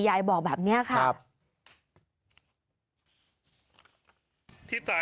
ยายบอกแบบนี้ค่ะ